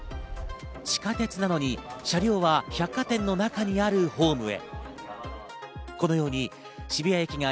地下鉄なのに車両は百貨店の中にあるホームへ。